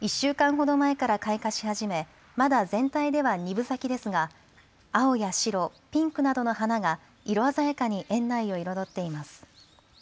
１週間ほど前から開花し始めまだ全体では２分咲きですが青や白、ピンクなどの花が色鮮やかに園内を彩っています。